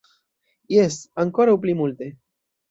Jes, ankoraŭ pli multe.